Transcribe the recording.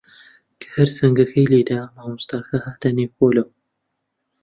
هەر کە زەنگەکە لێی دا، مامۆستاکە هاتە نێو پۆلەوە.